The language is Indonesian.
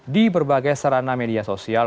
di berbagai sarana media sosial